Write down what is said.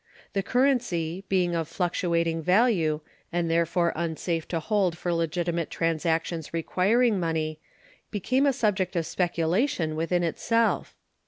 The currency, being of fluctuating value, and therefore unsafe to hold for legitimate transactions requiring money, became a subject of speculation within itself.